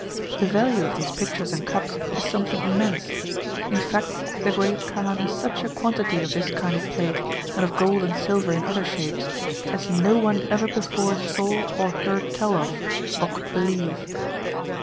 The value of these pitchers and cups is something immense ; in fact, the Great Kaan has such a quantity of this kind of plate, and of gold and silver in other shapes, as no one ever before saw or heard tell of, or could believe.